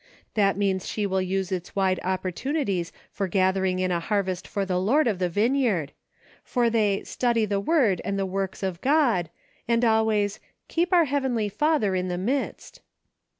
That means she will use its wide opportunities for gath ering in a harvest for the Lord of the vineyard ; for they ' Study the word and the works of God,* and always * Keep our Heavenly Father in the midst.'